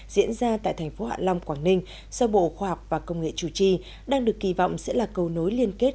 diễn ra tại thành phố hạ long quảng ninh do bộ khoa học và công nghệ chủ trì đang được kỳ vọng sẽ là cầu nối liên kết